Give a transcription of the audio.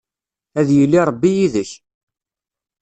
Ad yili Ṛebbi yid-k.